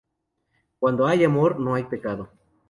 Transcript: Cuando hay amor, no hay pecado